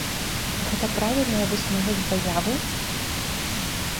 Гэта правільная выснова з заявы?